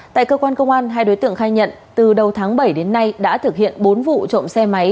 tại cơ quan công an hai đối tượng khai nhận từ đầu tháng bảy đến nay đã thực hiện bốn vụ trộm xe máy